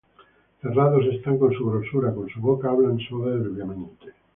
Cerrados están con su grosura; Con su boca hablan soberbiamente.